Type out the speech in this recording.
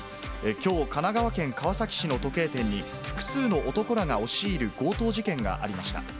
きょう、神奈川県川崎市の時計店に、複数の男らが押し入る強盗事件がありました。